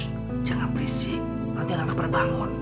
shhh jangan berisik nanti anak anak pada bangun